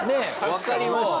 わかりました。